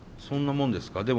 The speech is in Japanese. そんなもんですか？